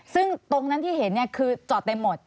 ซึ่งตรงนั้นที่เห็นเนี่ยคือจอดไปหมด